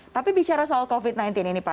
tapi bicara soal covid sembilan belas ini pak